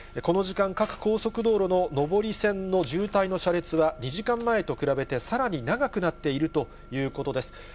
この時間、各高速道路の上り線の渋滞の車列は２時間前と比べて、さらに長くなっているということです。